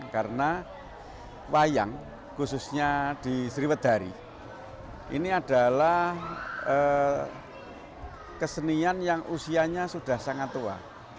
karena wayang khususnya di sriwetdhari ini adalah kesenian yang usianya sudah sangat tua